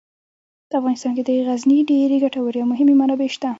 په افغانستان کې د غزني ډیرې ګټورې او مهمې منابع شته.